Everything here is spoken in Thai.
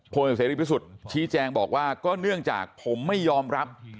เสรีพิสุทธิ์ชี้แจงบอกว่าก็เนื่องจากผมไม่ยอมรับ